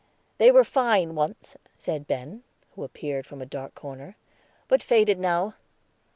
"They were fine once," said Ben, who appeared from a dark corner, "but faded now.